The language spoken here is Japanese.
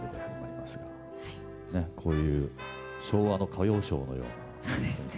こういう昭和の歌謡ショーのような雰囲気ですけど。